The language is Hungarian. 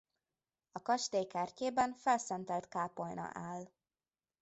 A kastély kertjében felszentelt kápolna áll.